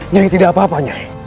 nyanyi tidak apa apa nyai